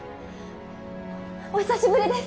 お久しぶりです！